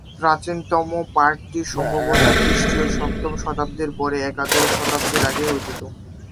প্রাচীনতম পাঠটি সম্ভবত খ্রিস্টীয় সপ্তম শতাব্দীর পরে একাদশ শতাব্দীর আগে রচিত।